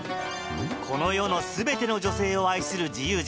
この世の全ての女性を愛する自由人